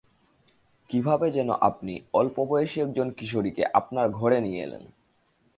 কীভাবে যেন আপনি অল্পবয়সী একজন কিশোরীকে আপনার ঘরে নিয়ে এলেন।